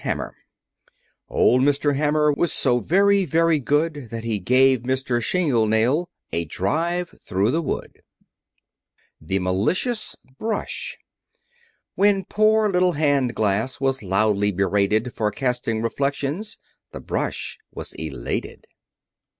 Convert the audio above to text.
HAMMER Old Mr. Hammer Was so very, very good, That he gave Mr. Shingle Nail A drive through the wood. [Illustration: Obliging Mr. Hammer] THE MALICIOUS BRUSH When poor little Hand Glass Was loudly berated For casting reflections, The Brush was elated.